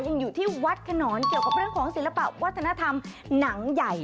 ยังอยู่ที่วัดขนอนเกี่ยวกับเรื่องของศิลปะวัฒนธรรมหนังใหญ่